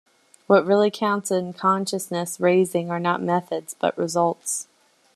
What really counts in consciousness-raising are not methods, but results.